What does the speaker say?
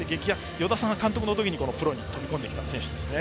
与田さんが監督の時にプロに飛び込んできた選手ですね。